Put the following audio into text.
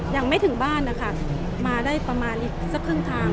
ยังไม่ถึงบ้านนะคะมาได้ประมาณอีกสักครึ่งทาง